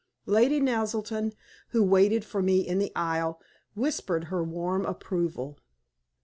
Lady Naselton, who waited for me in the aisle, whispered her warm approval.